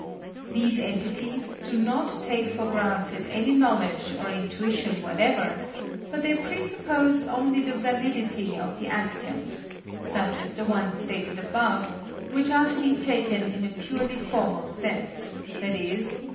These entities do not take for granted any knowledge or intuition whatever, but they presuppose only the validity of the axioms, such as the one stated above, which are to be taken in a purely formal sense, i.e.